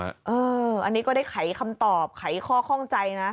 อันนี้ก็ได้ไขคำตอบไขข้อข้องใจนะ